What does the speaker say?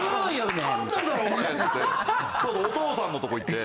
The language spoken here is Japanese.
お父さんのとこ行って。